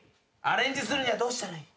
アレンジするにはどうしたらいい？